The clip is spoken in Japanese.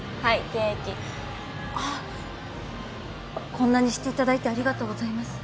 こんなにしていただいてありがとうございます。